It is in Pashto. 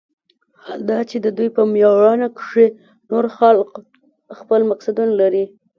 حال دا چې د دوى په مېړانه کښې نور خلق خپل مقصدونه لري.